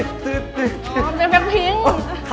อะไรอ่ะอะไรอ่ะ